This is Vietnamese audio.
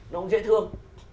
nó cũng dễ thương